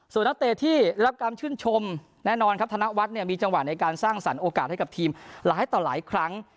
ส่วนนักเตะที่รับการชื่นชมแน่นอนครับธนวัฒน์เนี่ยมีจังหวะในการสร้างสรรคโอกาสให้กับทีมหลายต่อหลายครั้ง